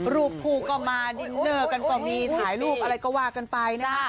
รูปคู่ก็มาดินเนอร์กันก็มีถ่ายรูปอะไรก็ว่ากันไปนะคะ